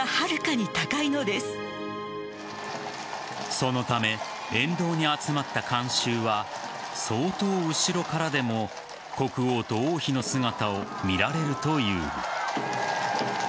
そのため沿道に集まった観衆は相当後ろからでも国王と王妃の姿を見られるという。